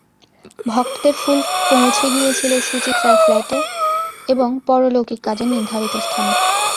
ভক্তদের ফুল পৌঁছে গিয়েছিল সুচিত্রার ফ্ল্যাটে এবং পারলৌকিক কাজের নির্ধারিত স্থানে।